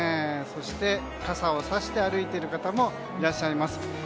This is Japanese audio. そして、傘をさして歩いている方もいらっしゃいます。